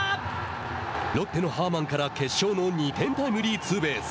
ロッテのハーマンから決勝の２点タイムリーツーベース。